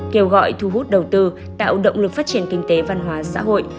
kêu gọi thu hút đầu tư tạo động lực phát triển kinh tế văn hóa xã hội